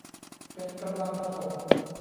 เป็นกำลังผสม